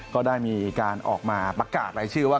ก็ได้มีการออกมาประกาศรายชื่อว่า